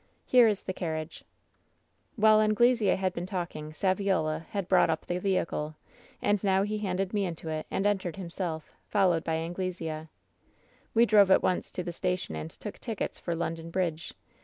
Here is the carriage/ "While Anglesea had been talking, Saviola had brought up the vehicle, and now he handed me into it and entered himself, followed by Anglesea. "We drove at once to the station and took tickets for London Bridge.